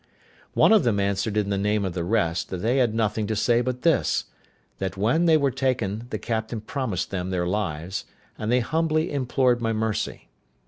One of them answered in the name of the rest, that they had nothing to say but this, that when they were taken the captain promised them their lives, and they humbly implored my mercy.